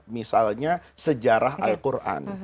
misalnya sejarah al quran